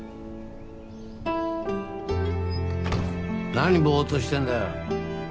何ボーっとしてんだよ。